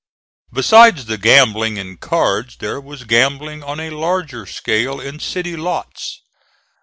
Besides the gambling in cards there was gambling on a larger scale in city lots.